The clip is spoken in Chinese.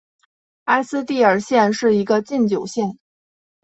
埃斯蒂尔县是一个禁酒县。